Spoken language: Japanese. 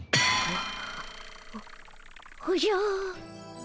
おおじゃ。